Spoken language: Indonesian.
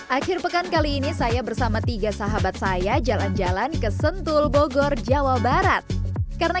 akhir pekan kali ini saya bersama tiga sahabat saya jalan jalan ke sentul bogor jawa barat karena